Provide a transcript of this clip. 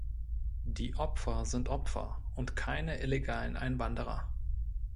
Die Opfer sind Opfer, und keine illegalen Einwanderer.